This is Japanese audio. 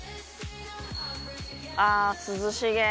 あぁ涼しげ。